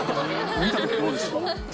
見たときどうでした？